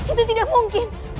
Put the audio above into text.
itu tidak mungkin